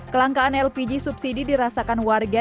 kelangkaan lpg subsidi dirasakan warga